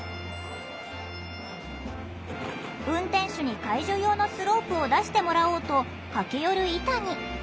運転手に介助用のスロープを出してもらおうと駆け寄るイタニ。